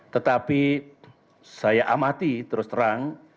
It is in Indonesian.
tetapi saya amati terus terang